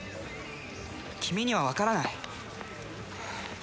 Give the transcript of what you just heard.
君には分からない